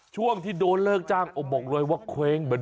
ช่วงที่โดนเลิกจ้างบอกเลยว่าเคว้งเหมือน